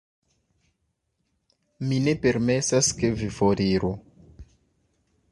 Mi ne permesas, ke vi foriru.